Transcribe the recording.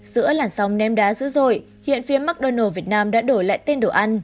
giữa làn sóng ném đá dữ dội hiện phía mcdonald s việt nam đã đổi lại tên đồ ăn